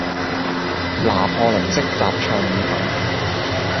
拿破崙式什菜意粉